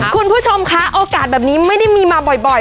คุณผู้ชมคะโอกาสแบบนี้ไม่ได้มีมาบ่อย